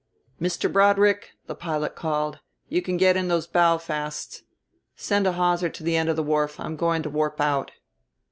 "Mr. Broadrick," the pilot called, "you can get in those bow fasts. Send a hawser to the end of the wharf; I'm going to warp out."